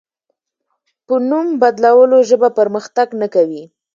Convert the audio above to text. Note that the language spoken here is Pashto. په نوم بدلولو ژبه پرمختګ نه کوي.